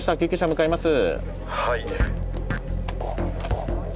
向かいます。